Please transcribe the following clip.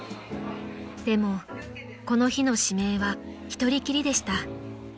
［でもこの日の指名は１人きりでした］